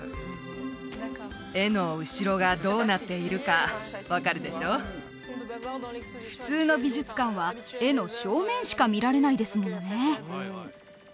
絵の後ろがどうなっているか分かるでしょ普通の美術館は絵の正面しか見られないですものね